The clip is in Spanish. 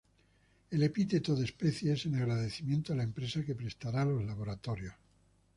El epíteto de especie es en agradecimiento a la empresa que prestara los laboratorios.